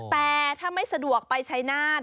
แต่ถ้าไม่สะดวกไปชัยนาธ